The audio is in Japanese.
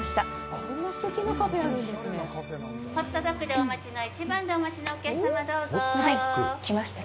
ホットドッグでお待ちの１番でお待ちのお客様、どうぞ。